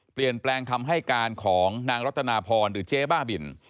เปลี่ยนแปลงคำให้การของนางรัตนาพรหรือเจ๊บ้าบิน